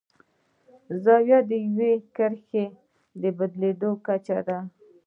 زاویه د یوې کرښې د بدلیدو کچه ده.